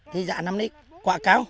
thì giả năm nay quá cao